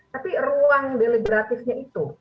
tapi ruang delegasi itu